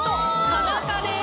田中です。